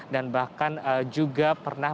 dan bahkan juga pernah